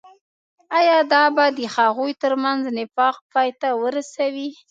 آيا دا به د هغوي تر منځ نفاق پاي ته ورسوي.